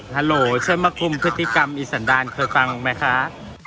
ฮัลโหลช่วยมาคลุมพฤติกรรมอีสันดานเคยฟังไหมคะ